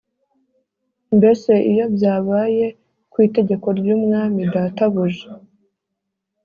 Mbese ibyo byabaye ku itegeko ry’umwami databuja